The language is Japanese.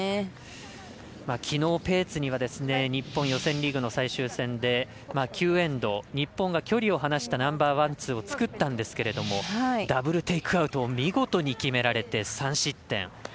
きのう、ペーツには日本、予選リーグの最終戦で９エンド日本が距離を離したナンバーワン、ツー作ったんですけれどもダブルテイクアウトを見事に決められて３失点。